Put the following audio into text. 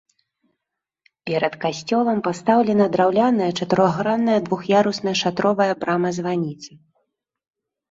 Перад касцёлам пастаўлена драўляная чатырохгранная двух'ярусная шатровая брама-званіца.